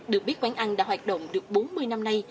được biết quán ăn đã hoạt động được bốn mươi năm nay